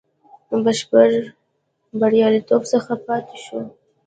بشپړ بریالیتوب څخه پاته شو.